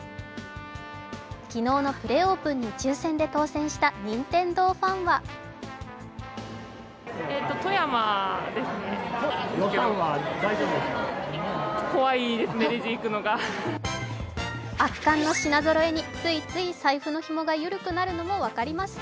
昨日のプレオープンに抽選で当選した任天堂ファンは圧巻の品ぞろえについつい財布のひもが緩くなるのも分かります。